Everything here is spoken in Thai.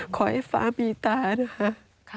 ขอให้ฟ้ามีตานะคะ